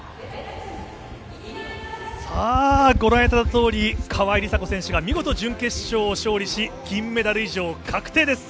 さあ、ご覧いただいたとおり、川井梨紗子選手が見事、準決勝を勝利し、銀メダル以上確定です。